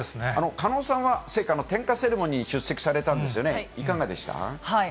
狩野さんは点火セレモニーに出席されたんですよね、いかがでした？